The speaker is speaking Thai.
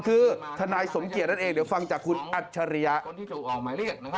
คือทนายสมเกียจนั่นเองเดี๋ยวฟังจากคุณอัจฉริยะ